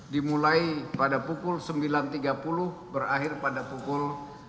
dimulai pada pukul sembilan tiga puluh berakhir pada pukul